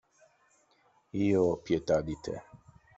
Io ho pietà di te.